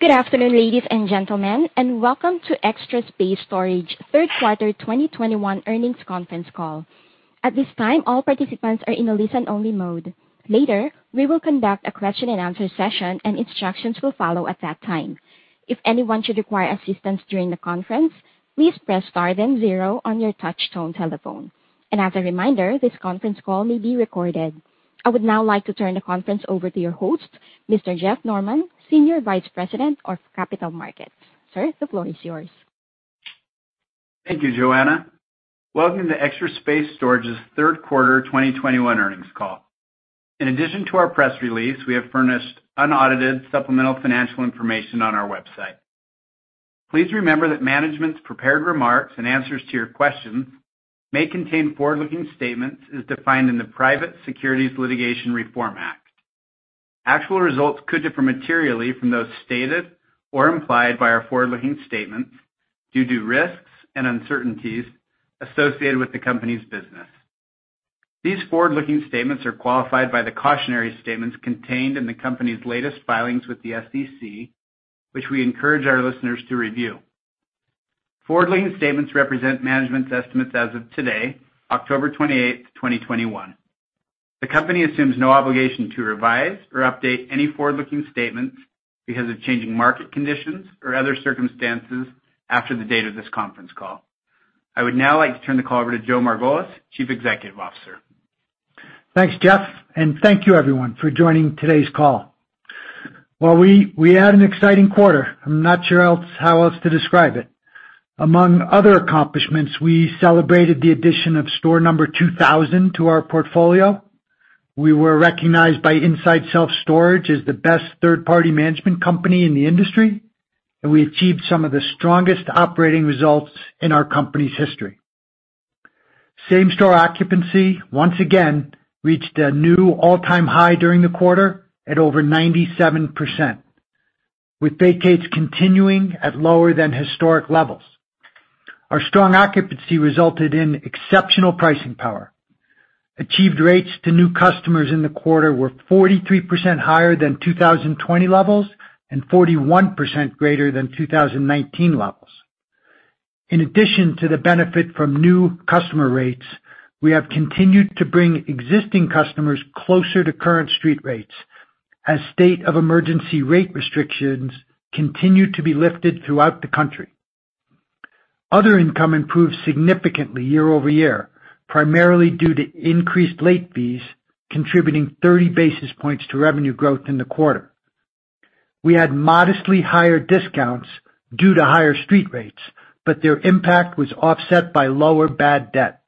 Good afternoon, ladies and gentlemen, and welcome to Extra Space Storage third quarter 2021 earnings conference call. At this time, all participants are in a listen-only mode. Later, we will conduct a question-and-answer session, and instructions will follow at that time. If anyone should require assistance during the conference, please press star then zero on your touch tone telephone. As a reminder, this conference call may be recorded. I would now like to turn the conference over to your host, Mr. Jeff Norman, Senior Vice President of Capital Markets. Sir, the floor is yours. Thank you, Joanna. Welcome to Extra Space Storage's third quarter 2021 earnings call. In addition to our press release, we have furnished unaudited supplemental financial information on our website. Please remember that management's prepared remarks and answers to your questions may contain forward-looking statements as defined in the Private Securities Litigation Reform Act. Actual results could differ materially from those stated or implied by our forward-looking statements due to risks and uncertainties associated with the company's business. These forward-looking statements are qualified by the cautionary statements contained in the company's latest filings with the SEC, which we encourage our listeners to review. Forward-looking statements represent management's estimates as of today, October 28th, 2021. The company assumes no obligation to revise or update any forward-looking statements because of changing market conditions or other circumstances after the date of this conference call. I would now like to turn the call over to Joe Margolis, Chief Executive Officer. Thanks, Jeff, and thank you, everyone, for joining today's call. Well, we had an exciting quarter. I'm not sure how else to describe it. Among other accomplishments, we celebrated the addition of store number 2,000 to our portfolio. We were recognized by Inside Self-Storage as the best third-party management company in the industry, and we achieved some of the strongest operating results in our company's history. Same-store occupancy once again reached a new all-time high during the quarter at over 97%, with vacates continuing at lower than historic levels. Our strong occupancy resulted in exceptional pricing power. Achieved rates to new customers in the quarter were 43% higher than 2020 levels and 41% greater than 2019 levels. In addition to the benefit from new customer rates, we have continued to bring existing customers closer to current street rates as state of emergency rate restrictions continue to be lifted throughout the country. Other income improved significantly year-over-year, primarily due to increased late fees, contributing 30 basis points to revenue growth in the quarter. We had modestly higher discounts due to higher street rates, but their impact was offset by lower bad debt.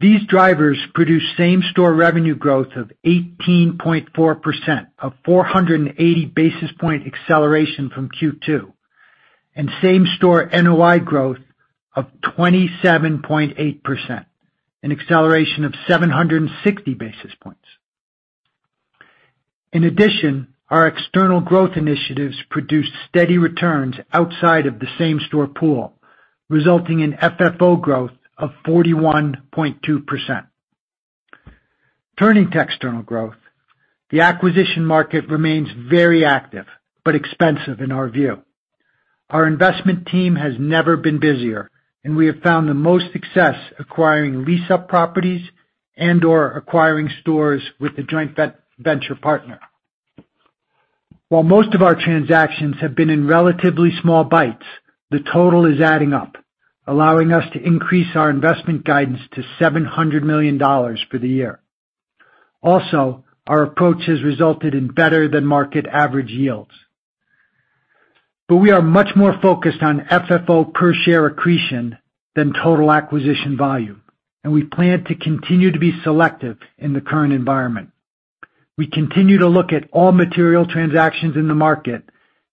These drivers produced same-store revenue growth of 18.4%, a 480 basis point acceleration from Q2, and same-store NOI growth of 27.8%, an acceleration of 760 basis points. In addition, our external growth initiatives produced steady returns outside of the same-store pool, resulting in FFO growth of 41.2%. Turning to external growth. The acquisition market remains very active but expensive in our view. Our investment team has never been busier, and we have found the most success acquiring lease-up properties and/or acquiring stores with a joint venture partner. While most of our transactions have been in relatively small bites, the total is adding up, allowing us to increase our investment guidance to $700 million for the year. Also, our approach has resulted in better-than-market average yields. We are much more focused on FFO per share accretion than total acquisition volume, and we plan to continue to be selective in the current environment. We continue to look at all material transactions in the market,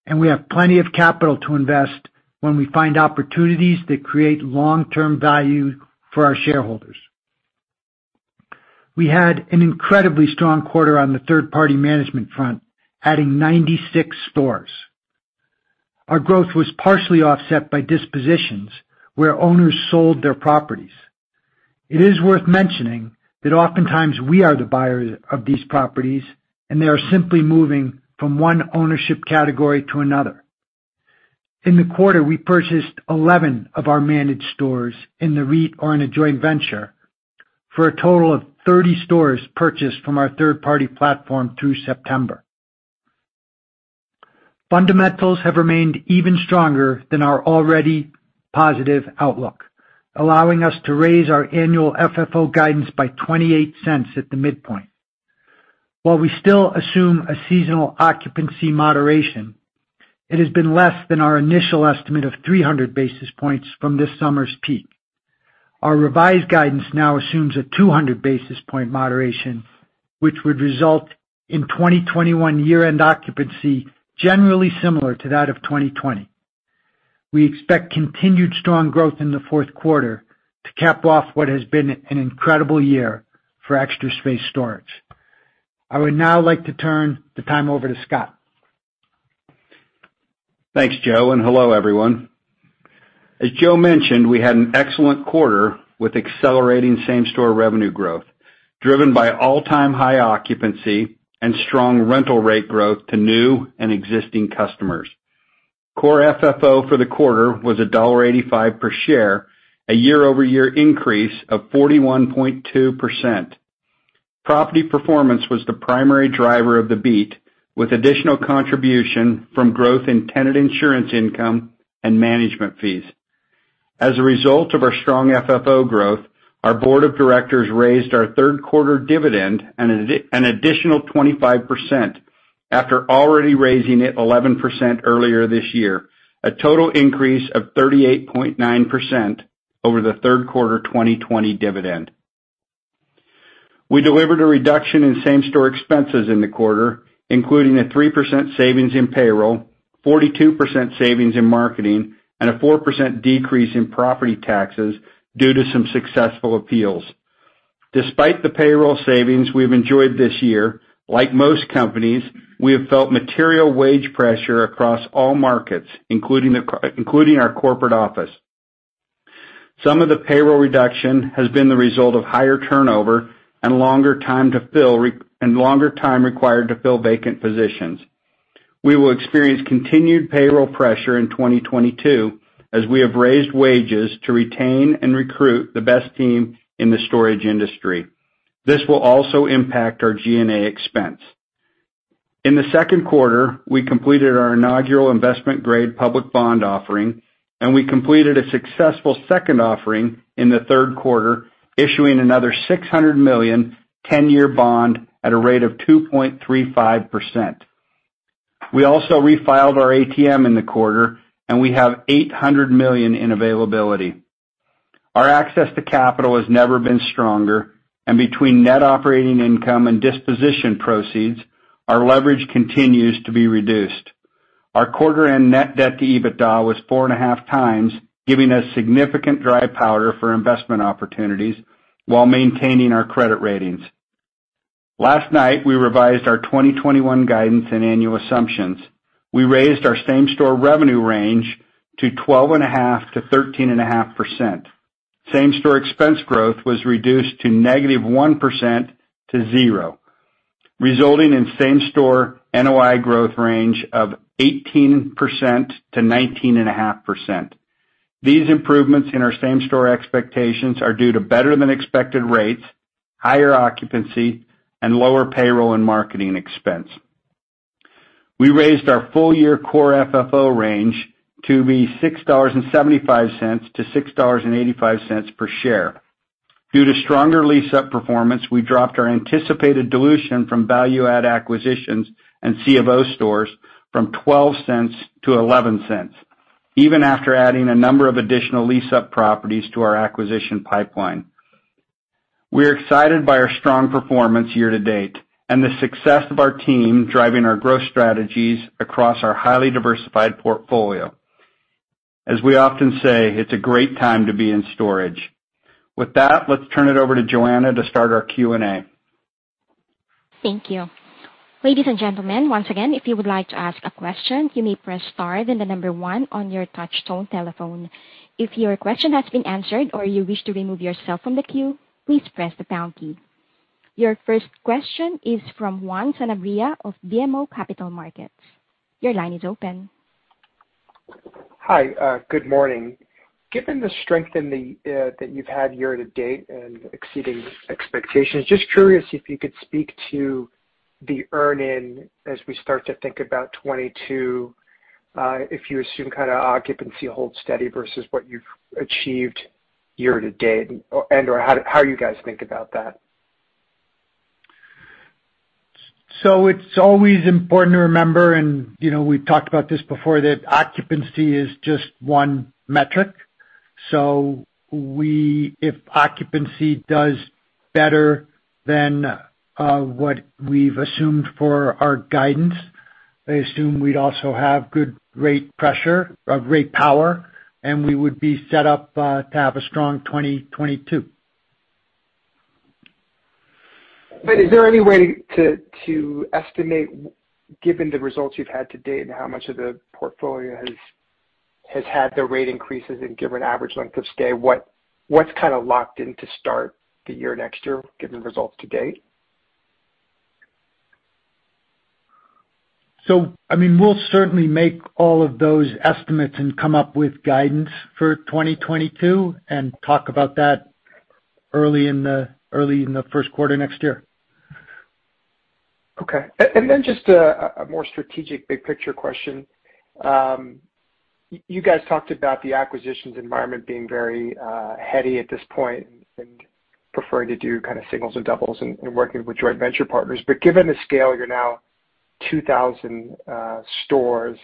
and we have plenty of capital to invest when we find opportunities that create long-term value for our shareholders. We had an incredibly strong quarter on the third-party management front, adding 96 stores. Our growth was partially offset by dispositions where owners sold their properties. It is worth mentioning that oftentimes we are the buyer of these properties, and they are simply moving from one ownership category to another. In the quarter, we purchased 11 of our managed stores in the REIT or in a joint venture for a total of 30 stores purchased from our third-party platform through September. Fundamentals have remained even stronger than our already positive outlook, allowing us to raise our annual FFO guidance by $0.28 at the midpoint. While we still assume a seasonal occupancy moderation, it has been less than our initial estimate of 300 basis points from this summer's peak. Our revised guidance now assumes a 200 basis points moderation, which would result in 2021 year-end occupancy generally similar to that of 2020. We expect continued strong growth in the fourth quarter to cap off what has been an incredible year for Extra Space Storage. I would now like to turn the time over to Scott. Thanks, Joe, and hello, everyone. As Joe mentioned, we had an excellent quarter with accelerating same-store revenue growth, driven by all-time high occupancy and strong rental rate growth to new and existing customers. Core FFO for the quarter was $1.85 per share, a year-over-year increase of 41.2%. Property performance was the primary driver of the beat, with additional contribution from growth in tenant insurance income and management fees. As a result of our strong FFO growth, our board of directors raised our third quarter dividend an additional 25% after already raising it 11% earlier this year, a total increase of 38.9% over the third quarter 2020 dividend. We delivered a reduction in same-store expenses in the quarter, including a 3% savings in payroll, 42% savings in marketing, and a 4% decrease in property taxes due to some successful appeals. Despite the payroll savings we've enjoyed this year, like most companies, we have felt material wage pressure across all markets, including our corporate office. Some of the payroll reduction has been the result of higher turnover and longer time required to fill vacant positions. We will experience continued payroll pressure in 2022, as we have raised wages to retain and recruit the best team in the storage industry. This will also impact our G&A expense. In the second quarter, we completed our inaugural investment-grade public bond offering, and we completed a successful second offering in the third quarter, issuing another $600 million 10-year bond at a rate of 2.35%. We also refiled our ATM in the quarter, and we have $800 million in availability. Our access to capital has never been stronger, and between net operating income and disposition proceeds, our leverage continues to be reduced. Our quarter-end net debt to EBITDA was 4.5 times, giving us significant dry powder for investment opportunities while maintaining our credit ratings. Last night, we revised our 2021 guidance and annual assumptions. We raised our same-store revenue range to 12.5%-13.5%. Same-store expense growth was reduced to -1% to 0%, resulting in same-store NOI growth range of 18%-19.5%. These improvements in our same-store expectations are due to better than expected rates, higher occupancy, and lower payroll and marketing expense. We raised our full-year core FFO range to $6.75-$6.85 per share. Due to stronger lease-up performance, we dropped our anticipated dilution from value add acquisitions and C of O stores from $0.12 to $0.11, even after adding a number of additional lease-up properties to our acquisition pipeline. We're excited by our strong performance year-to-date and the success of our team driving our growth strategies across our highly diversified portfolio. As we often say, it's a great time to be in storage. With that, let's turn it over to Joanna to start our Q&A. Thank you. Ladies and gentlemen, once again, if you would like to ask a question, you may press star then the number one on your touch tone telephone. If your question has been answered or you wish to remove yourself from the queue, please press the pound key. Your first question is from Juan Sanabria of BMO Capital Markets. Your line is open. Hi, good morning. Given the strength that you've had year to date and exceeding expectations, just curious if you could speak to the earnings as we start to think about 2022, if you assume kinda occupancy holds steady versus what you've achieved year to date, or and/or how you guys think about that. It's always important to remember, and, you know, we've talked about this before, that occupancy is just one metric. If occupancy does better than what we've assumed for our guidance, I assume we'd also have good rate pressure or rate power, and we would be set up to have a strong 2022. Is there any way to estimate, given the results you've had to date and how much of the portfolio has had the rate increases and given average length of stay, what's kinda locked in to start the year next year, given the results to date? I mean, we'll certainly make all of those estimates and come up with guidance for 2022 and talk about that early in the first quarter next year. Okay. Just a more strategic big picture question. You guys talked about the acquisitions environment being very heady at this point and prefer to do kind of singles and doubles and working with joint venture partners. Given the scale, you're now 2,000 stores,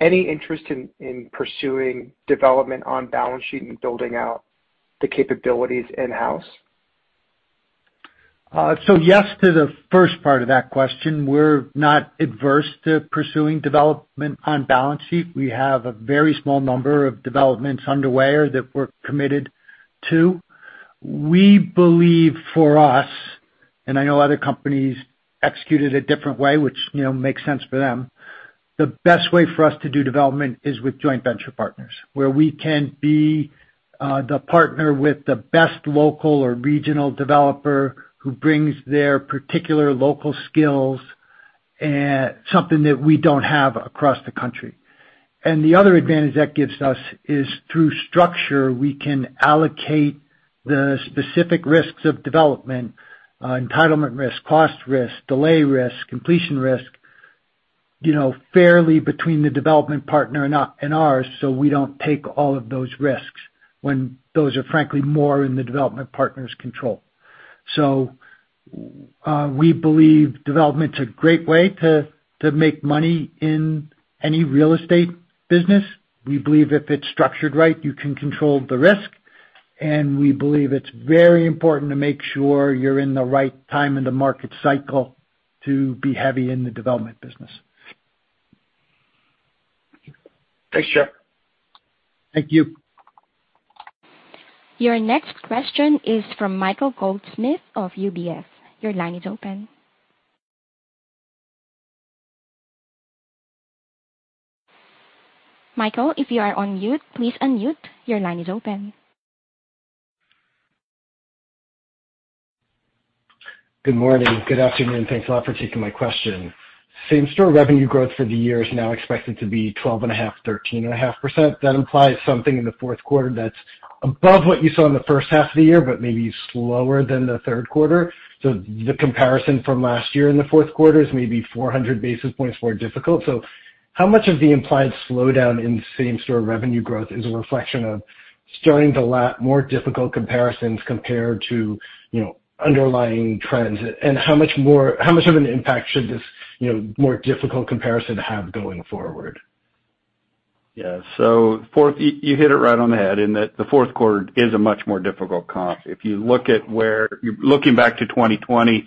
any interest in pursuing development on balance sheet and building out the capabilities in-house? So yes to the first part of that question. We're not adverse to pursuing development on balance sheet. We have a very small number of developments underway or that we're committed to. We believe for us. I know other companies execute it a different way, which, you know, makes sense for them. The best way for us to do development is with joint venture partners, where we can be, the partner with the best local or regional developer who brings their particular local skills and something that we don't have across the country. The other advantage that gives us is through structure, we can allocate the specific risks of development, entitlement risk, cost risk, delay risk, completion risk, you know, fairly between the development partner and ours, so we don't take all of those risks when those are frankly more in the development partner's control. We believe development's a great way to make money in any real estate business. We believe if it's structured right, you can control the risk, and we believe it's very important to make sure you're in the right time in the market cycle to be heavy in the development business. Thanks, Joe. Thank you. Your next question is from Michael Goldsmith of UBS. Your line is open. Michael, if you are on mute, please unmute. Your line is open. Good morning. Good afternoon. Thanks a lot for taking my question. Same-store revenue growth for the year is now expected to be 12.5%-13.5%. That implies something in the fourth quarter that's above what you saw in the first half of the year, but maybe slower than the third quarter. The comparison from last year in the fourth quarter is maybe 400 basis points more difficult. How much of the implied slowdown in same-store revenue growth is a reflection of starting to lap more difficult comparisons compared to, you know, underlying trends? How much of an impact should this, you know, more difficult comparison have going forward? Yeah. You hit it right on the head in that the fourth quarter is a much more difficult comp. If you look at where we were looking back to 2020,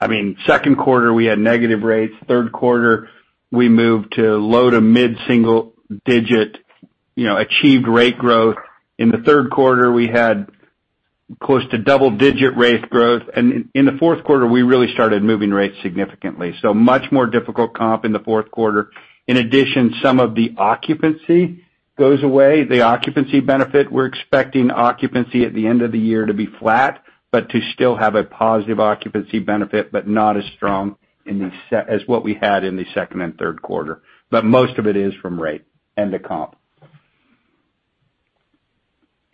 I mean, second quarter, we had negative rates. Third quarter, we moved to low to mid-single digit, you know, achieved rate growth. In the third quarter, we had close to double-digit rate growth. In the fourth quarter, we really started moving rates significantly. Much more difficult comp in the fourth quarter. In addition, some of the occupancy goes away. The occupancy benefit, we're expecting occupancy at the end of the year to be flat, but to still have a positive occupancy benefit, but not as strong as what we had in the second and third quarter. Most of it is from rate and the comp.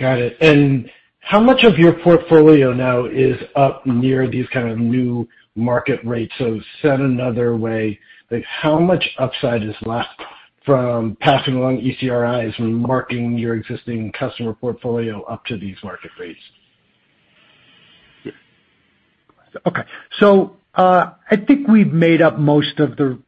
Got it. How much of your portfolio now is up near these kind of new market rates? Said another way, like, how much upside is left from passing along ECRIs when marking your existing customer portfolio up to these market rates? Okay. I think we've made up most of the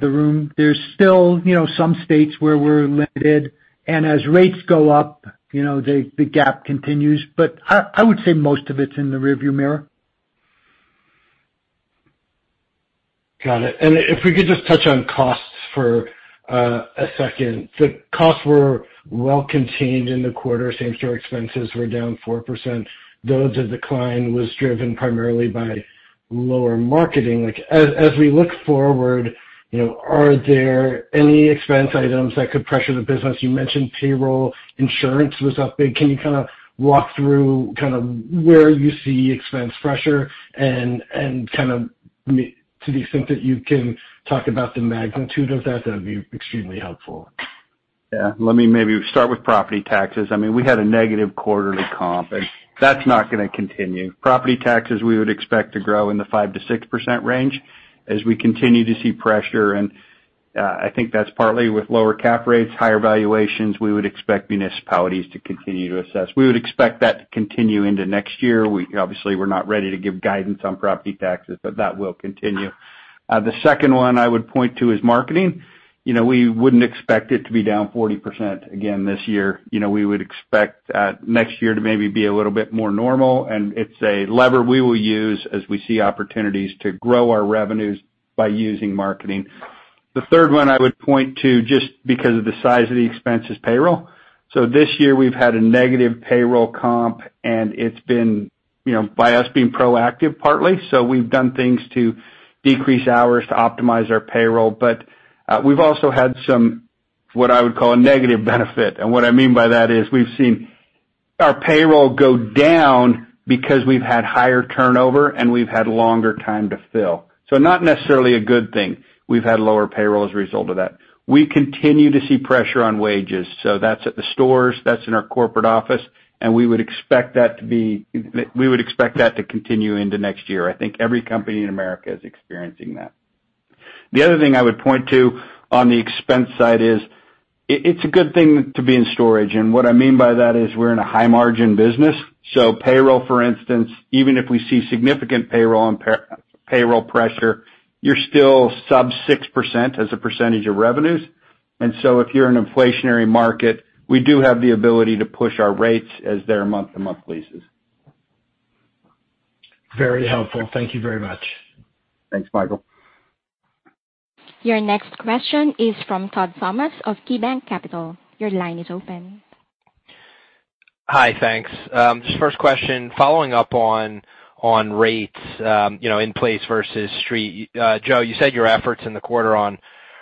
room. There's still, you know, some states where we're limited, and as rates go up, you know, the gap continues. I would say most of it's in the rearview mirror. Got it. If we could just touch on costs for a second. The costs were well contained in the quarter. Same-store expenses were down 4%, though the decline was driven primarily by lower marketing. Like, as we look forward, you know, are there any expense items that could pressure the business? You mentioned payroll. Insurance was up big. Can you kinda walk through kind of where you see expense pressure and kind of to the extent that you can talk about the magnitude of that would be extremely helpful. Let me maybe start with property taxes. I mean, we had a negative quarterly comp, and that's not gonna continue. Property taxes we would expect to grow in the 5%-6% range as we continue to see pressure. I think that's partly with lower cap rates, higher valuations. We would expect municipalities to continue to assess. We would expect that to continue into next year. We obviously are not ready to give guidance on property taxes, but that will continue. The second one I would point to is marketing. You know, we wouldn't expect it to be down 40% again this year. You know, we would expect next year to maybe be a little bit more normal, and it's a lever we will use as we see opportunities to grow our revenues by using marketing. The third one I would point to, just because of the size of the expense, is payroll. This year we've had a negative payroll comp, and it's been, you know, by us being proactive partly. We've done things to decrease hours to optimize our payroll. We've also had some, what I would call a negative benefit. What I mean by that is we've seen our payroll go down because we've had higher turnover, and we've had longer time to fill. Not necessarily a good thing. We've had lower payroll as a result of that. We continue to see pressure on wages, so that's at the stores, that's in our corporate office, and we would expect that to be. We would expect that to continue into next year. I think every company in America is experiencing that. The other thing I would point to on the expense side is, it's a good thing to be in storage. What I mean by that is we're in a high-margin business. Payroll, for instance, even if we see significant payroll pressure, you're still sub 6% as a percentage of revenues. If you're in an inflationary market, we do have the ability to push our rates as they're month-to-month leases. Very helpful. Thank you very much. Thanks, Michael. Your next question is from Todd Thomas of KeyBanc Capital. Your line is open. Hi, thanks. Just first question, following up on rates, you know, in place versus street. Joe, you said your efforts in the quarter on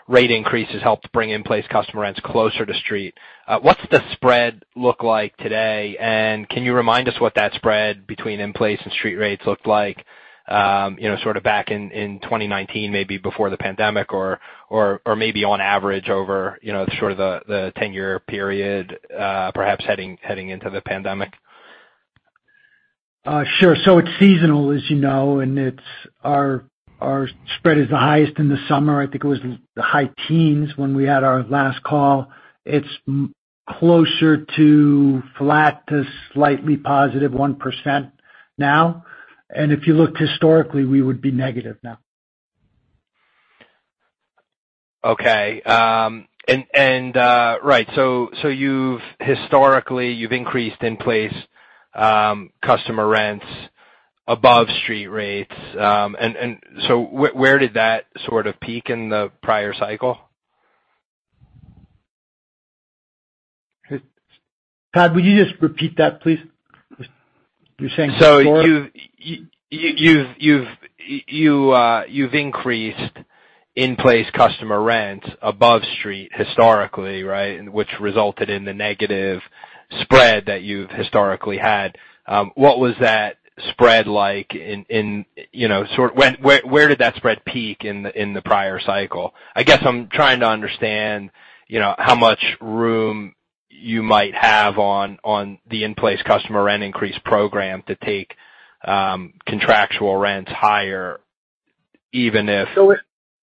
rate increases helped bring in place customer rents closer to street. What's the spread look like today? And can you remind us what that spread between in place and street rates looked like, you know, sort of back in 2019, maybe before the pandemic or maybe on average over, you know, sort of the ten-year period, perhaps heading into the pandemic? Sure. It's seasonal, as you know, and our spread is the highest in the summer. I think it was in the high teens when we had our last call. It's closer to flat to slightly +1% now. If you looked historically, we would be negative now. Okay. Right. You've historically increased in-place customer rents above street rates. Where did that sort of peak in the prior cycle? Todd, would you just repeat that please? You're saying historically. You've increased in-place customer rent above street historically, right? Which resulted in the negative spread that you've historically had. What was that spread like in, you know, where did that spread peak in the prior cycle? I guess I'm trying to understand, you know, how much room you might have on the in-place customer rent increase program to take contractual rents higher, even if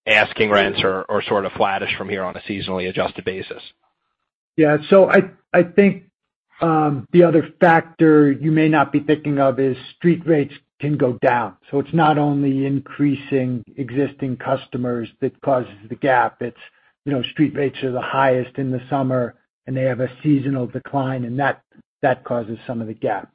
asking rents are sort of flattish from here on a seasonally adjusted basis. Yeah. I think the other factor you may not be thinking of is street rates can go down. It's not only increasing existing customers that causes the gap. It's, you know, street rates are the highest in the summer, and they have a seasonal decline, and that causes some of the gap.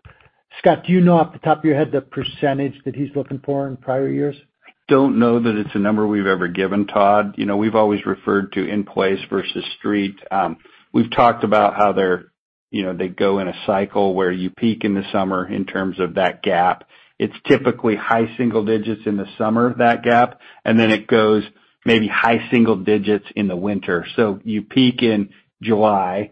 Scott, do you know off the top of your head the percentage that he's looking for in prior years? I don't know that it's a number we've ever given, Todd. You know, we've always referred to in place versus street. We've talked about how they're, you know, they go in a cycle where you peak in the summer in terms of that gap. It's typically high single digits in the summer, that gap, and then it goes maybe high single digits in the winter. You peak in July,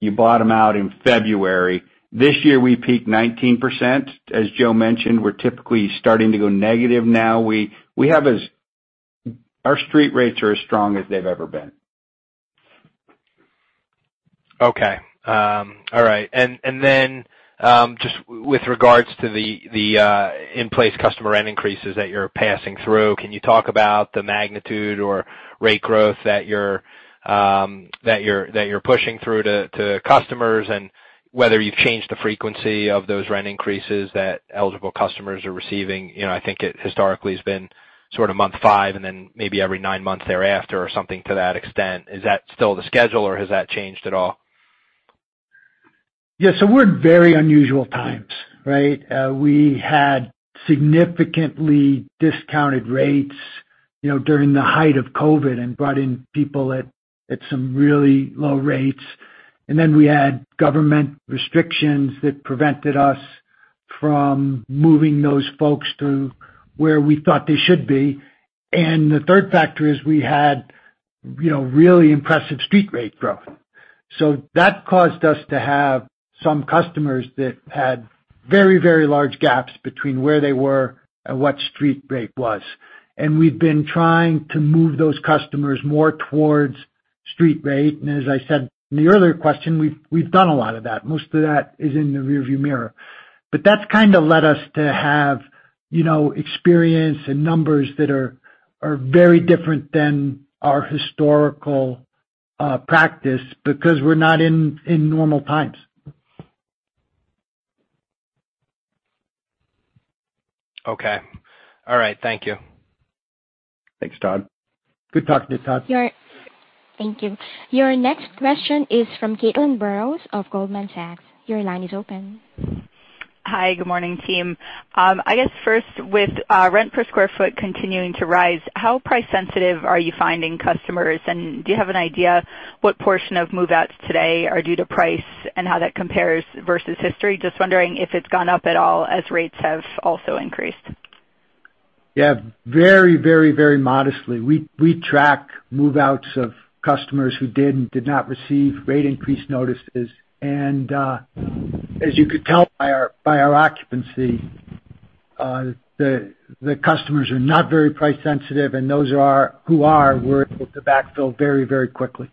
you bottom out in February. This year, we peaked 19%. As Joe mentioned, we're typically starting to go negative now. Our street rates are as strong as they've ever been. Just with regards to the in-place customer rent increases that you're passing through, can you talk about the magnitude or rate growth that you're pushing through to customers and whether you've changed the frequency of those rent increases that eligible customers are receiving? You know, I think it historically has been sort of month five and then maybe every nine months thereafter or something to that extent. Is that still the schedule or has that changed at all? Yeah. We're in very unusual times, right? We had significantly discounted rates, you know, during the height of COVID and brought in people at some really low rates. We had government restrictions that prevented us from moving those folks to where we thought they should be. The third factor is we had, you know, really impressive street rate growth. That caused us to have some customers that had very, very large gaps between where they were and what street rate was. We've been trying to move those customers more towards street rate. As I said in the earlier question, we've done a lot of that. Most of that is in the rearview mirror. That's kind of led us to have, you know, experience and numbers that are very different than our historical practice because we're not in normal times. Okay. All right. Thank you. Thanks, Todd. Good talking to you, Todd. Thank you. Your next question is from Caitlin Burrows of Goldman Sachs. Your line is open. Hi. Good morning, team. I guess first with rent per square foot continuing to rise, how price sensitive are you finding customers? And do you have an idea what portion of move-outs today are due to price and how that compares versus history? Just wondering if it's gone up at all as rates have also increased. Yeah. Very modestly. We track move-outs of customers who did and did not receive rate increase notices. As you could tell by our occupancy, the customers are not very price sensitive, and those who are, we're able to backfill very quickly.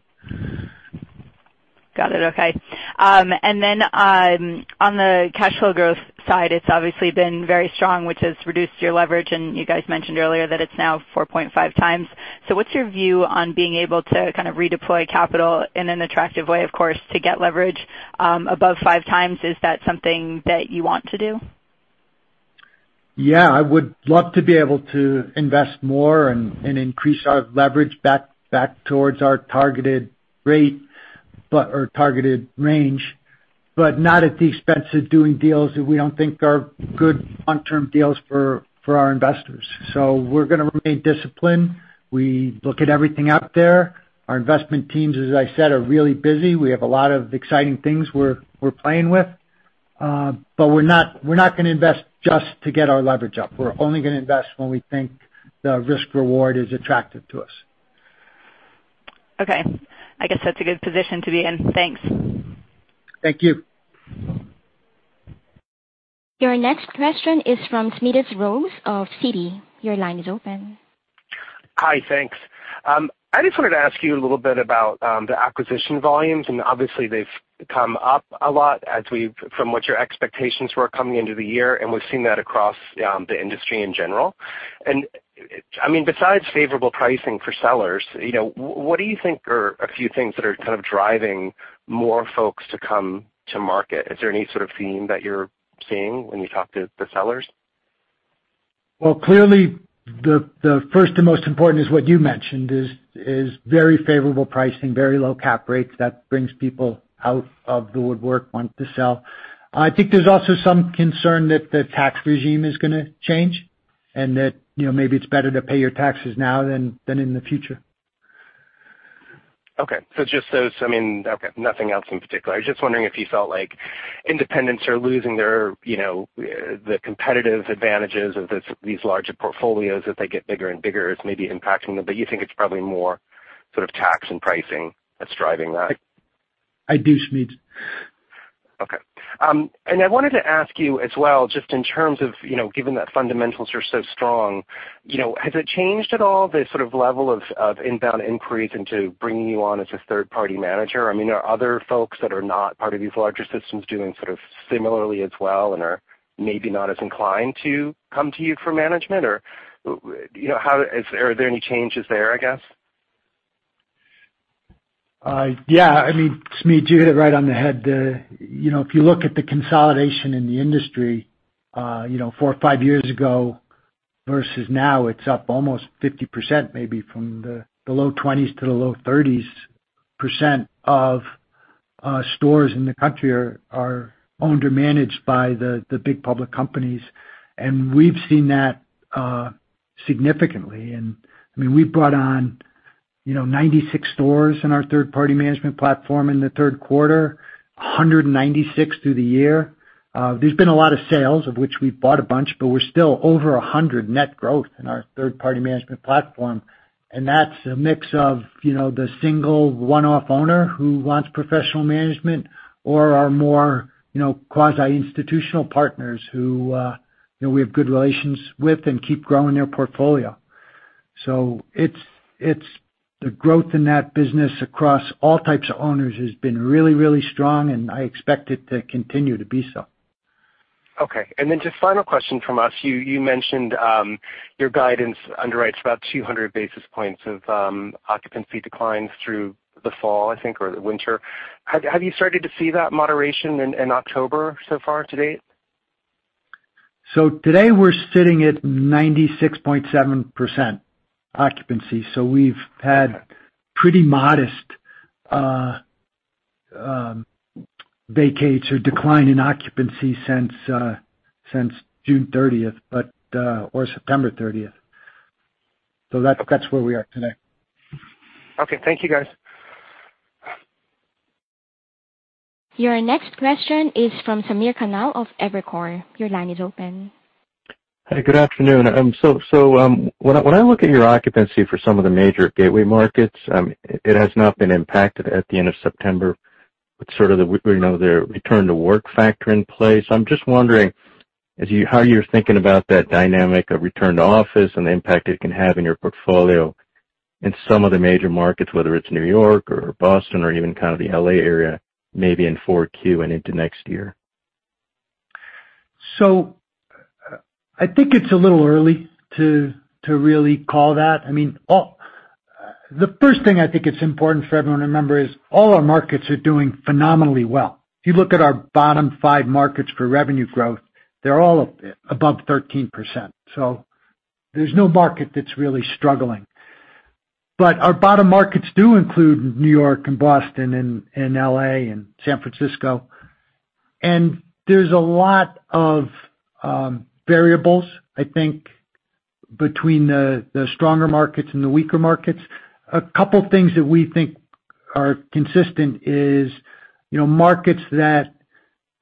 Got it. Okay. On the cash flow growth side, it's obviously been very strong, which has reduced your leverage. You guys mentioned earlier that it's now 4.5x. What's your view on being able to kind of redeploy capital in an attractive way, of course, to get leverage above 5x? Is that something that you want to do? Yeah, I would love to be able to invest more and increase our leverage back towards our targeted rate or targeted range, but not at the expense of doing deals that we don't think are good long-term deals for our investors. We're gonna remain disciplined. We look at everything out there. Our investment teams, as I said, are really busy. We have a lot of exciting things we're playing with. We're not gonna invest just to get our leverage up. We're only gonna invest when we think the risk reward is attractive to us. Okay. I guess that's a good position to be in. Thanks. Thank you. Your next question is from Smedes Rose of Citi. Your line is open. Hi. Thanks. I just wanted to ask you a little bit about the acquisition volumes, and obviously they've come up a lot from what your expectations were coming into the year, and we've seen that across the industry in general. I mean, besides favorable pricing for sellers, you know, what do you think are a few things that are kind of driving more folks to come to market? Is there any sort of theme that you're seeing when you talk to the sellers? Well, clearly, the first and most important is what you mentioned is very favorable pricing, very low cap rates. That brings people out of the woodwork who want to sell. I think there's also some concern that the tax regime is gonna change, and that, you know, maybe it's better to pay your taxes now than in the future. Okay. Just those, I mean. Okay, nothing else in particular. I was just wondering if you felt like independents are losing their, you know, the competitive advantages of these larger portfolios as they get bigger and bigger is maybe impacting them. You think it's probably more sort of tax and pricing that's driving that. I do, Smedes. Okay. I wanted to ask you as well, just in terms of, you know, given that fundamentals are so strong, you know, has it changed at all the sort of level of inbound inquiries into bringing you on as a third-party manager? I mean, are other folks that are not part of these larger systems doing sort of similarly as well and are maybe not as inclined to come to you for management? Or, you know, is there any changes there, I guess? Yeah. I mean, Smedes, you hit it right on the head. You know, if you look at the consolidation in the industry, you know, four or five years ago versus now, it's up almost 50% maybe from the low 20s% to the low 30s% of stores in the country are owned or managed by the big public companies. We've seen that significantly. I mean, we brought on, you know, 96 stores in our third-party management platform in the third quarter, 196 through the year. There's been a lot of sales, of which we bought a bunch, but we're still over 100 net growth in our third-party management platform. That's a mix of, you know, the single one-off owner who wants professional management or our more, you know, quasi-institutional partners who, you know, we have good relations with and keep growing their portfolio. It's the growth in that business across all types of owners has been really, really strong, and I expect it to continue to be so. Okay. Just final question from us. You mentioned your guidance underwrites about 200 basis points of occupancy declines through the fall, I think, or the winter. Have you started to see that moderation in October so far to date? Today we're sitting at 96.7% occupancy. We've had pretty modest vacates or decline in occupancy since June 30th, but or September30th. That's where we are today. Okay. Thank you, guys. Your next question is from Samir Khanal of Evercore. Your line is open. Hi. Good afternoon. When I look at your occupancy for some of the major gateway markets, it has not been impacted at the end of September with sort of the return to work factor in place. I'm just wondering how you're thinking about that dynamic of return to office and the impact it can have in your portfolio in some of the major markets, whether it's New York or Boston or even kind of the L.A. area, maybe in 4Q and into next year. I think it's a little early to really call that. I mean, the first thing I think it's important for everyone to remember is all our markets are doing phenomenally well. If you look at our bottom five markets for revenue growth, they're all above 13%. There's no market that's really struggling. Our bottom markets do include New York and Boston and L.A. and San Francisco. There's a lot of variables, I think, between the stronger markets and the weaker markets. A couple things that we think are consistent is, you know, markets that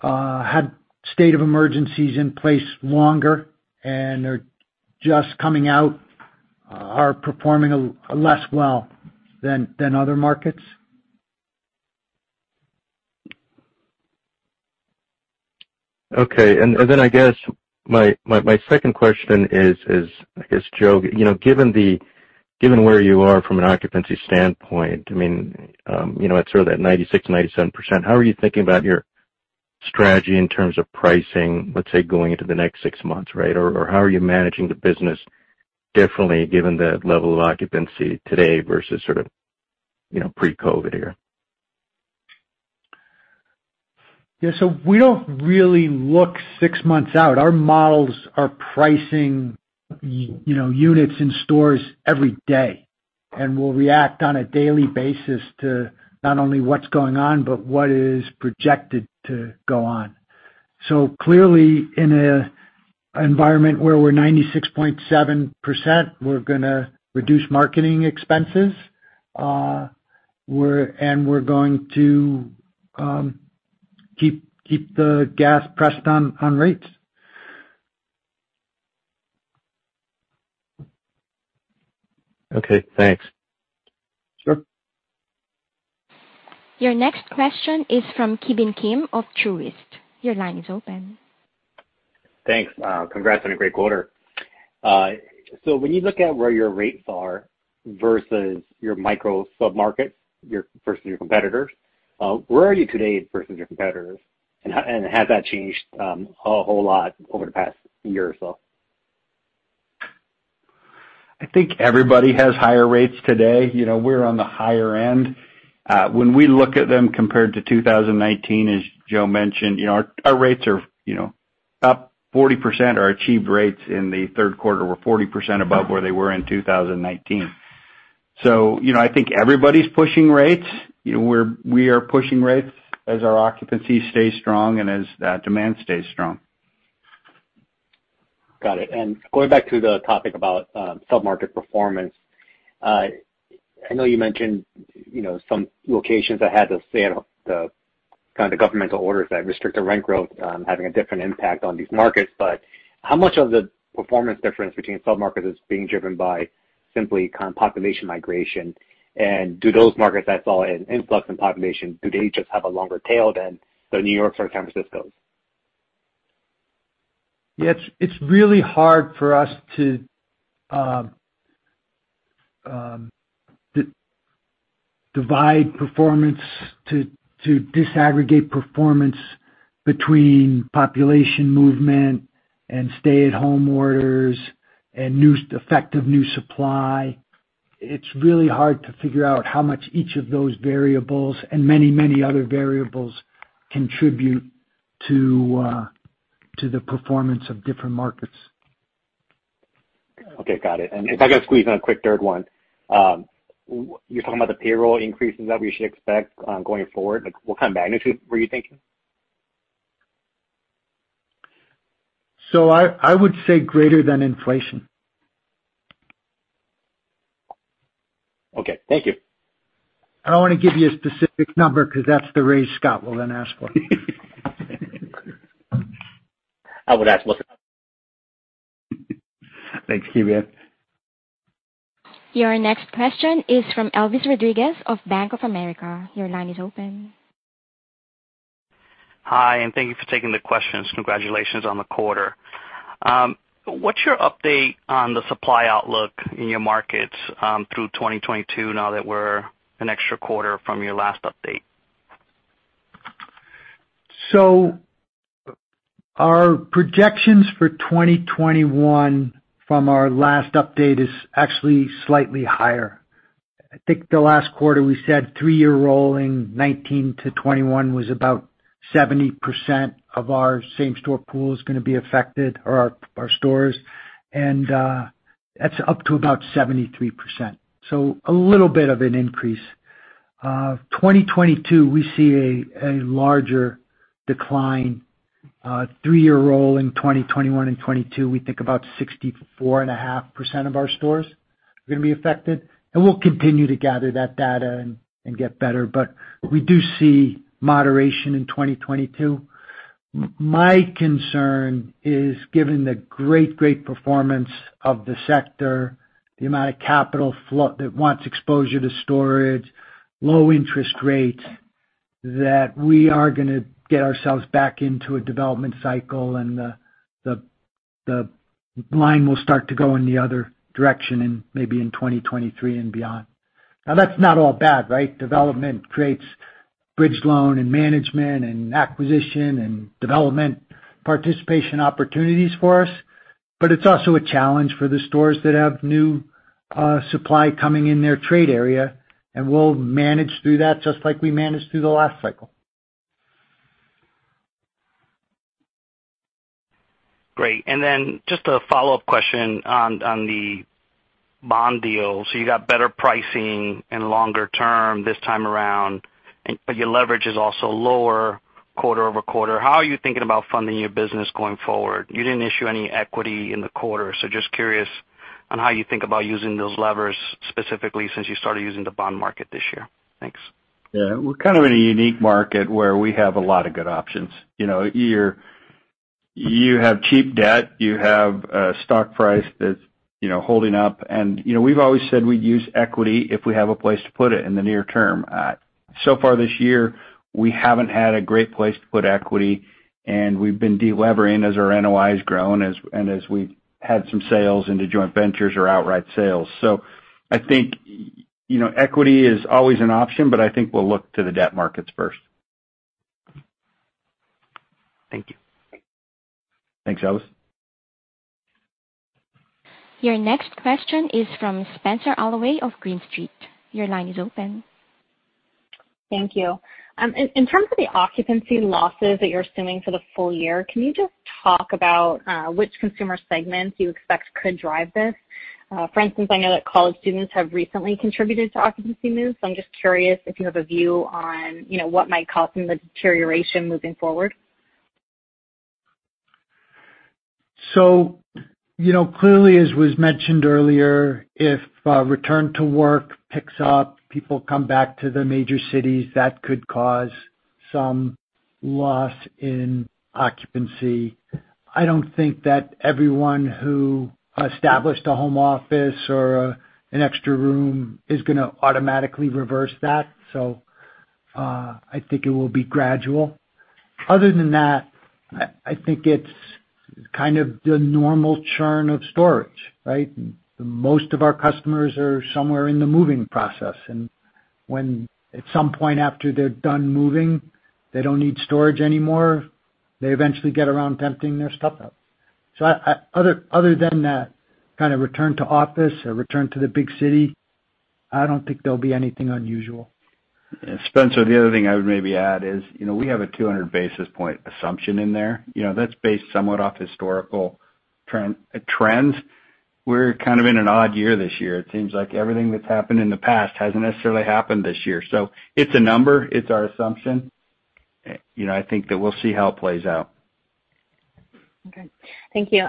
had state of emergencies in place longer and are just coming out are performing less well than other markets. Okay. Then I guess my second question is, I guess, Joe, you know, given where you are from an occupancy standpoint, I mean, you know, at sort of that 96%-97%, how are you thinking about your strategy in terms of pricing, let's say, going into the next six months, right? Or how are you managing the business differently given the level of occupancy today versus sort of, you know, pre-COVID here? Yeah. We don't really look six months out. Our models are pricing, you know, units in stores every day, and we'll react on a daily basis to not only what's going on, but what is projected to go on. Clearly, in an environment where we're 96.7%, we're gonna reduce marketing expenses. We're going to keep the gas pressed on rates. Okay, thanks. Sure. Your next question is from Ki Bin Kim of Truist. Your line is open. Thanks. Congrats on a great quarter. When you look at where your rates are versus your micro sub-markets versus your competitors, where are you today versus your competitors? Has that changed a whole lot over the past year or so? I think everybody has higher rates today. You know, we're on the higher end. When we look at them compared to 2019, as Joe mentioned, you know, our rates are, you know, up 40%. Our achieved rates in the third quarter were 40% above where they were in 2019. You know, I think everybody's pushing rates. You know, we are pushing rates as our occupancy stays strong and as demand stays strong. Got it. Going back to the topic about sub-market performance. I know you mentioned, you know, some locations that had the kind of governmental orders that restrict the rent growth, having a different impact on these markets. How much of the performance difference between sub-markets is being driven by simply kind of population migration? Do those markets that saw an influx in population, do they just have a longer tail than the New Yorks or San Franciscos? Yeah, it's really hard for us to divide performance to disaggregate performance between population movement and stay-at-home orders and effective new supply. It's really hard to figure out how much each of those variables and many other variables contribute to the performance of different markets. Okay, got it. If I could squeeze in a quick third one. What you're talking about the payroll increases that we should expect, going forward. Like, what kind of magnitude were you thinking? I would say greater than inflation. Okay, thank you. I don't wanna give you a specific number 'cause that's the raise Scott will then ask for. I would ask less then. Thanks, Ki Bin. Your next question is from Elvis Rodriguez of Bank of America. Your line is open. Hi, and thank you for taking the questions. Congratulations on the quarter. What's your update on the supply outlook in your markets, through 2022 now that we're an extra quarter from your last update? Our projections for 2021 from our last update is actually slightly higher. I think the last quarter we said three-year rolling 2019-2021 was about 70% of our same-store pool is gonna be affected or our stores. That's up to about 73%, so a little bit of an increase. 2022, we see a larger decline. Three-year roll in 2021 and 2022, we think about 64.5% of our stores are gonna be affected. We'll continue to gather that data and get better, but we do see moderation in 2022. My concern is given the great performance of the sector, the amount of capital flow that wants exposure to storage, low interest rates, that we are gonna get ourselves back into a development cycle and the line will start to go in the other direction in maybe in 2023 and beyond. Now, that's not all bad, right? Development creates bridge loan and management and acquisition and development participation opportunities for us, but it's also a challenge for the stores that have new supply coming in their trade area, and we'll manage through that just like we managed through the last cycle. Great. Then just a follow-up question on the bond deal. You got better pricing and longer term this time around but your leverage is also lower quarter-over-quarter. How are you thinking about funding your business going forward? You didn't issue any equity in the quarter, so just curious on how you think about using those levers specifically since you started using the bond market this year. Thanks. Yeah. We're kind of in a unique market where we have a lot of good options. You know, you have cheap debt, you have a stock price that's, you know, holding up. You know, we've always said we'd use equity if we have a place to put it in the near term. So far this year, we haven't had a great place to put equity, and we've been delevering as our NOI has grown, as we've had some sales into joint ventures or outright sales. I think, you know, equity is always an option, but I think we'll look to the debt markets first. Thank you. Thanks, Elvis. Your next question is from Spenser Allaway of Green Street. Your line is open. Thank you. In terms of the occupancy losses that you're assuming for the full year, can you just talk about which consumer segments you expect could drive this? For instance, I know that college students have recently contributed to occupancy moves. I'm just curious if you have a view on, you know, what might cause some of the deterioration moving forward. You know, clearly, as was mentioned earlier, if return to work picks up, people come back to the major cities, that could cause some loss in occupancy. I don't think that everyone who established a home office or an extra room is gonna automatically reverse that, so I think it will be gradual. Other than that, I think it's kind of the normal churn of storage, right? Most of our customers are somewhere in the moving process, and when at some point after they're done moving, they don't need storage anymore, they eventually get around to emptying their stuff out. Other than that kind of return to office or return to the big city, I don't think there'll be anything unusual. Spenser, the other thing I would maybe add is, you know, we have a 200 basis points assumption in there. You know, that's based somewhat off historical trend, trends. We're kind of in an odd year this year. It seems like everything that's happened in the past hasn't necessarily happened this year. It's a number. It's our assumption. You know, I think that we'll see how it plays out. Okay. Thank you.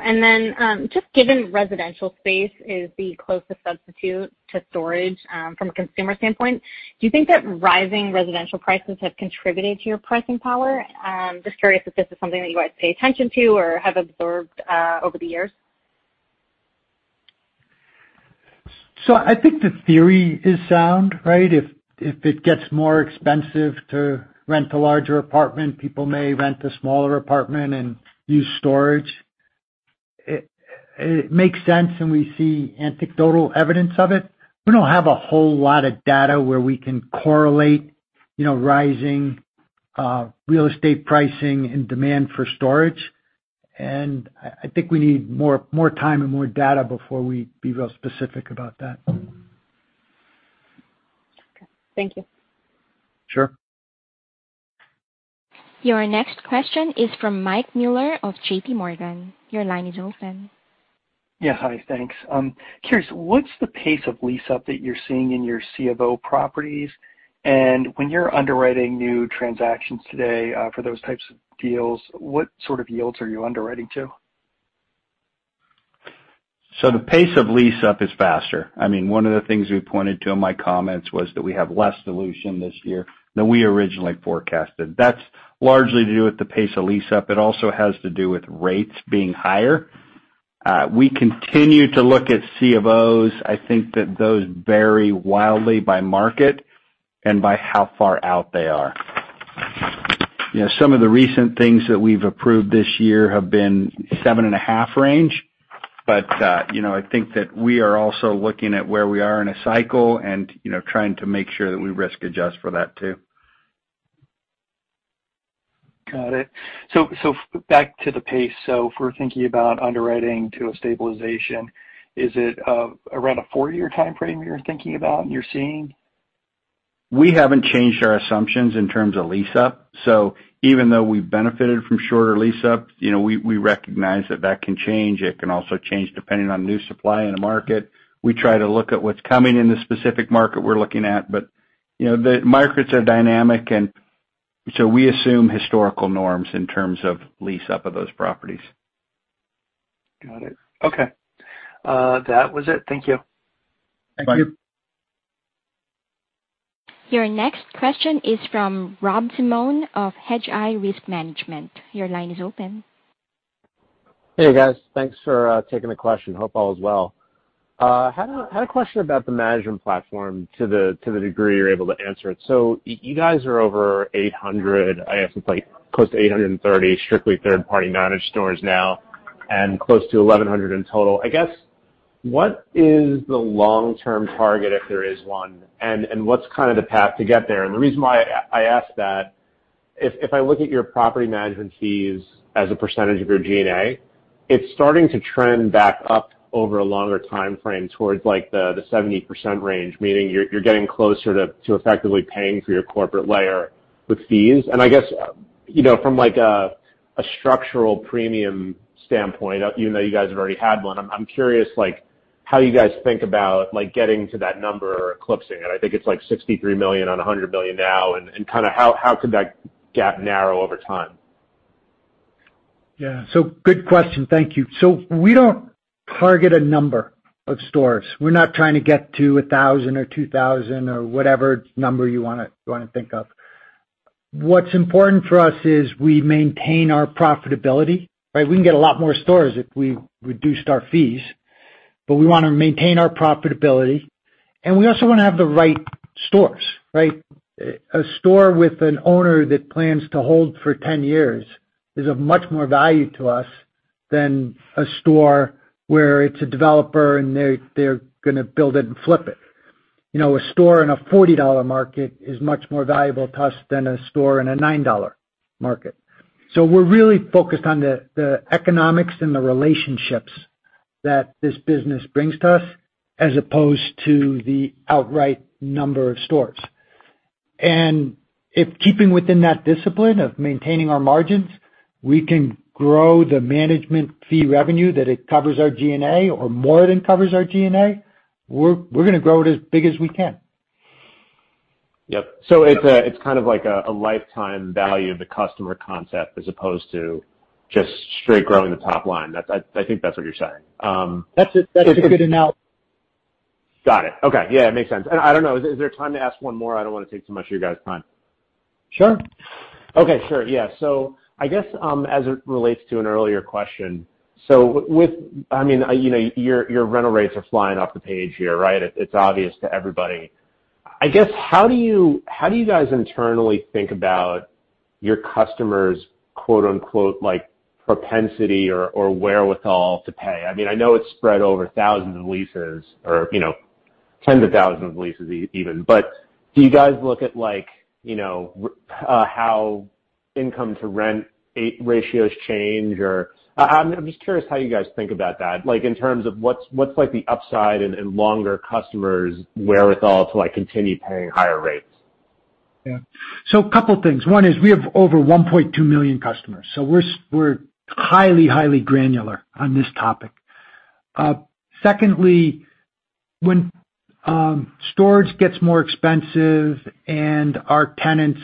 Just given residential space is the closest substitute to storage, from a consumer standpoint, do you think that rising residential prices have contributed to your pricing power? Just curious if this is something that you guys pay attention to or have observed over the years. I think the theory is sound, right? If it gets more expensive to rent a larger apartment, people may rent a smaller apartment and use storage. It makes sense, and we see anecdotal evidence of it. We don't have a whole lot of data where we can correlate, you know, rising real estate pricing and demand for storage. I think we need more time and more data before we can be really specific about that. Okay. Thank you. Sure. Your next question is from Mike Mueller of JPMorgan. Your line is open. Yeah. Hi, thanks. Curious, what's the pace of lease-up that you're seeing in your C of O properties? When you're underwriting new transactions today, for those types of deals, what sort of yields are you underwriting to? The pace of lease-up is faster. I mean, one of the things we pointed to in my comments was that we have less dilution this year than we originally forecasted. That's largely to do with the pace of lease-up. It also has to do with rates being higher. We continue to look at C of Os. I think that those vary wildly by market and by how far out they are. You know, some of the recent things that we've approved this year have been 7.5 range, but, you know, I think that we are also looking at where we are in a cycle and, you know, trying to make sure that we risk adjust for that too. Got it. Back to the pace. If we're thinking about underwriting to a stabilization, is it around a four-year timeframe you're thinking about and you're seeing? We haven't changed our assumptions in terms of lease-up, so even though we've benefited from shorter lease-up, you know, we recognize that that can change. It can also change depending on new supply in the market. We try to look at what's coming in the specific market we're looking at. You know, the markets are dynamic and so we assume historical norms in terms of lease-up of those properties. Got it. Okay. That was it. Thank you. Thank you. Your next question is from Rob Simone of Hedgeye Risk Management. Your line is open. Hey, guys. Thanks for taking the question. Hope all is well. Had a question about the management platform to the degree you're able to answer it. You guys are over 800 stores, I guess it's like close to 830 strictly third-party managed stores now and close to 1,100 in total. I guess what is the long-term target, if there is one? What's kind of the path to get there? The reason why I ask that, if I look at your property management fees as a percentage of your G&A, it's starting to trend back up over a longer timeframe towards like the 70% range, meaning you're getting closer to effectively paying for your corporate layer with fees. I guess, you know, from like a structural premium standpoint, even though you guys have already had one, I'm curious like how you guys think about like getting to that number or eclipsing it. I think it's like $63 million or a $100 million now, and kind of how could that gap narrow over time? Yeah. Good question. Thank you. We don't target a number of stores. We're not trying to get to a 1,000 or 2,000 or whatever number you wanna think of. What's important for us is we maintain our profitability, right? We can get a lot more stores if we reduced our fees, but we wanna maintain our profitability, and we also wanna have the right stores, right? A store with an owner that plans to hold for 10 years is of much more value to us than a store where it's a developer and they're gonna build it and flip it. You know, a store in a $40 market is much more valuable to us than a store in a $9 market. We're really focused on the economics and the relationships that this business brings to us as opposed to the outright number of stores. If keeping within that discipline of maintaining our margins, we can grow the management fee revenue that it covers our G&A or more than covers our G&A, we're gonna grow it as big as we can. Yep. It's kind of like a lifetime value of the customer concept as opposed to just straight growing the top line. I think that's what you're saying. That's a good analogy. Got it. Okay. Yeah, it makes sense. I don't know, is there time to ask one more? I don't wanna take too much of your guys' time. Sure. Okay. Sure. Yeah. I guess, as it relates to an earlier question, with I mean, you know, your rental rates are flying off the page here, right? It's obvious to everybody. I guess, how do you guys internally think about your customers, quote unquote, like propensity or wherewithal to pay? I mean, I know it's spread over thousands of leases or, you know, tens of thousands of leases even, but do you guys look at like, you know, how rent-to-income ratios change or I'm just curious how you guys think about that, like in terms of what's like the upside and longer customers' wherewithal to like continue paying higher rates? A couple things. One is we have over 1.2 million customers, so we're highly granular on this topic. Secondly, when storage gets more expensive and our tenants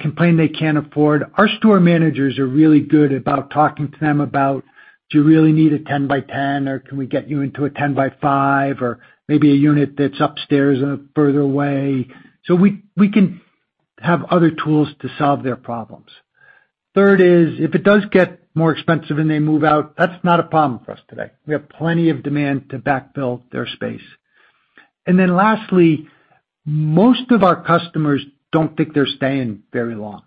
complain they can't afford, our store managers are really good about talking to them about, "Do you really need a 10 by 10 or can we get you into a 10 by 5 or maybe a unit that's upstairs and further away?" We can have other tools to solve their problems. Third is, if it does get more expensive and they move out, that's not a problem for us today. We have plenty of demand to backfill their space. Lastly, most of our customers don't think they're staying very long.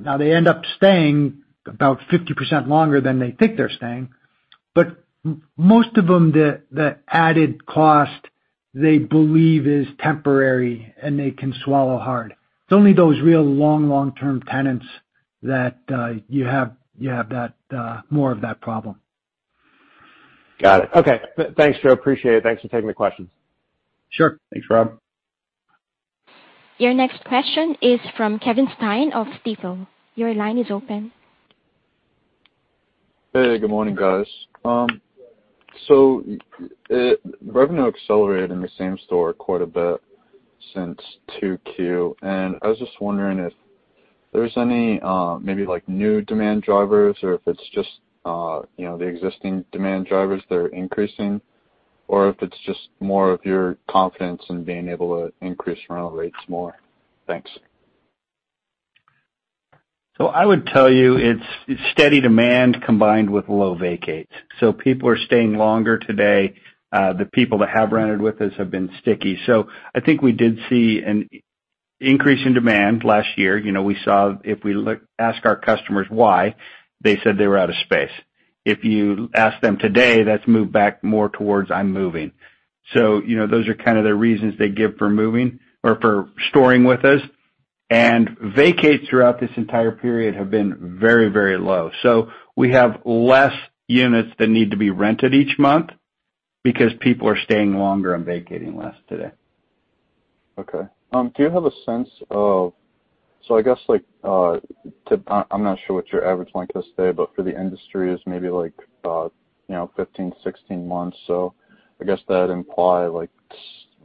Now they end up staying about 50% longer than they think they're staying, but most of them, the added cost they believe is temporary and they can swallow hard. It's only those real long-term tenants that you have that more of that problem. Got it. Okay. Thanks, Joe. Appreciate it. Thanks for taking the questions. Sure. Thanks, Rob. Your next question is from Kevin Stein of Stifel. Your line is open. Hey, good morning, guys. Revenue accelerated in the same-store quite a bit since 2Q, and I was just wondering if there's any, maybe like new demand drivers or if it's just, you know, the existing demand drivers that are increasing or if it's just more of your confidence in being able to increase rental rates more? Thanks. I would tell you it's steady demand combined with low vacates. People are staying longer today. The people that have rented with us have been sticky. I think we did see an increase in demand last year. You know, ask our customers why, they said they were out of space. If you ask them today, that's moved back more towards, "I'm moving." You know, those are kind of the reasons they give for moving or for storing with us. Vacates throughout this entire period have been very, very low. We have less units that need to be rented each month because people are staying longer and vacating less today. Okay. Do you have a sense of? I guess like, I'm not sure what your average length of stay, but for the industry is maybe like, you know, 15, 16 months. I guess that'd imply like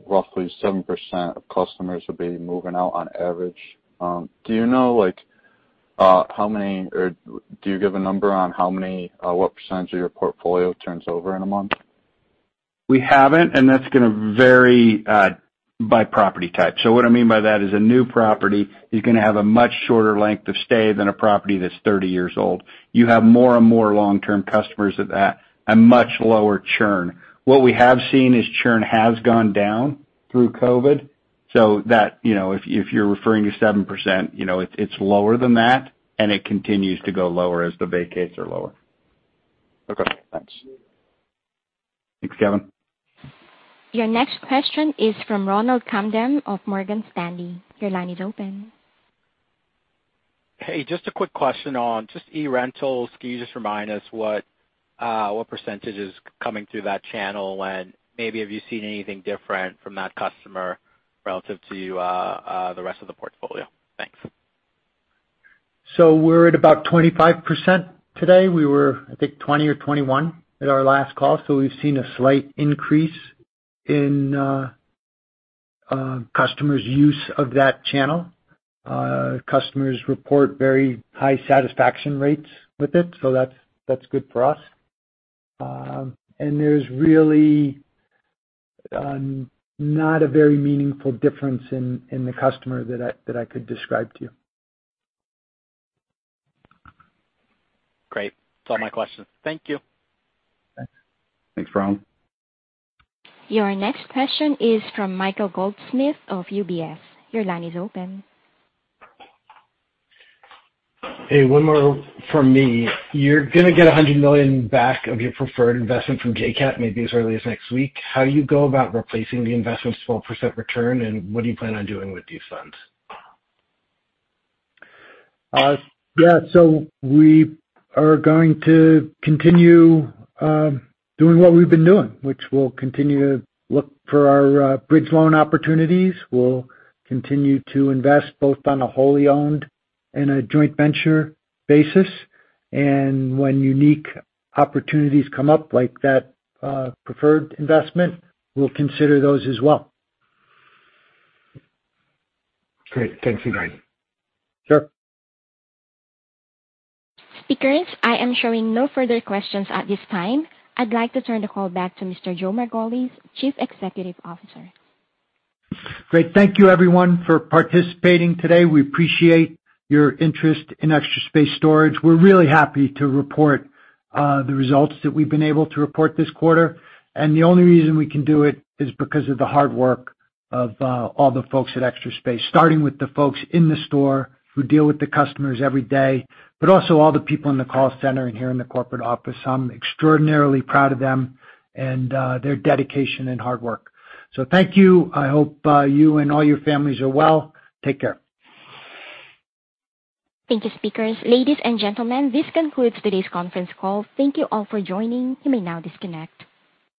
roughly 7% of customers will be moving out on average. Do you know like, how many or do you give a number on how many, what percentage of your portfolio turns over in a month? We haven't, and that's gonna vary by property type. So what I mean by that is a new property is gonna have a much shorter length of stay than a property that's 30 years old. You have more and more long-term customers at that, a much lower churn. What we have seen is churn has gone down through COVID, so that, you know, if you're referring to 7%, you know, it's lower than that and it continues to go lower as the vacates are lower. Okay. Thanks. Thanks, Kevin. Your next question is from Ronald Kamdem of Morgan Stanley. Your line is open. Hey, just a quick question on just e-rentals. Can you just remind us what percentage is coming through that channel? Maybe have you seen anything different from that customer relative to the rest of the portfolio? Thanks. We're at about 25% today. We were, I think, 20% or 21% at our last call. We've seen a slight increase in customers' use of that channel. Customers report very high satisfaction rates with it, so that's good for us. There's really not a very meaningful difference in the customer that I could describe to you. Great. That's all my questions. Thank you. Thanks. Thanks, Ronald. Your next question is from Michael Goldsmith of UBS. Your line is open. Hey, one more from me. You're gonna get $100 million back of your preferred investment from JCAP maybe as early as next week. How do you go about replacing the investment's 12% return, and what do you plan on doing with these funds? We are going to continue doing what we've been doing, which we'll continue to look for our bridge loan opportunities. We'll continue to invest both on a wholly owned and a joint venture basis. When unique opportunities come up like that, preferred investment, we'll consider those as well. Great. Thanks for your time. Sure. Speakers, I am showing no further questions at this time. I'd like to turn the call back to Mr. Joe Margolis, Chief Executive Officer. Great. Thank you everyone for participating today. We appreciate your interest in Extra Space Storage. We're really happy to report the results that we've been able to report this quarter, and the only reason we can do it is because of the hard work of all the folks at Extra Space, starting with the folks in the store who deal with the customers every day, but also all the people in the call center and here in the corporate office. I'm extraordinarily proud of them and their dedication and hard work. Thank you. I hope you and all your families are well. Take care. Thank you, speakers. Ladies and gentlemen, this concludes today's conference call. Thank you all for joining. You may now disconnect.